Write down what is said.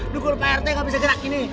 dukul pak rt nggak bisa gerak gini